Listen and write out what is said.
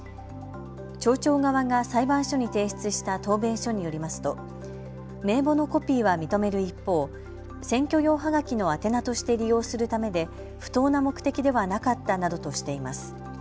町長側が裁判所に提出した答弁書によりますと名簿のコピーは認める一方、選挙用はがきの宛名として利用するためで不当な目的ではなかったなどとしています。